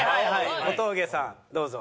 小峠さんどうぞ。